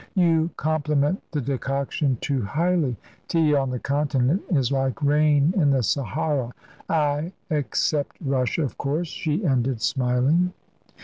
"You compliment the decoction too highly. Tea on the Continent is like rain in the Sahara. I except Russia, of course," she ended, smiling.